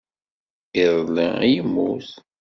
Iḍelli i yemmut.